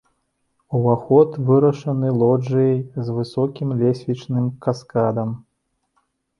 Уваход вырашаны лоджыяй з высокім лесвічным каскадам.